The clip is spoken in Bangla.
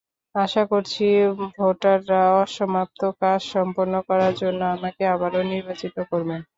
আশা করছি, ভোটাররা অসমাপ্ত কাজ সম্পন্ন করার জন্য আমাকে আবারও নির্বাচিত করবেন।